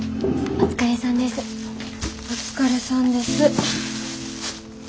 お疲れさんです。